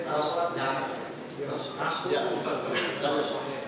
terhadap hal yang dibutuhkan